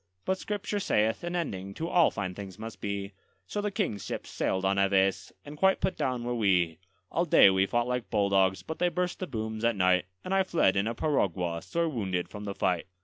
But Scripture saith, an ending to all fine things must be; So the King's ships sailed on Aves, and quite put down were we. All day we fought like bulldogs, but they burst the booms at night; And I fled in a piragua, sore wounded, from the fight.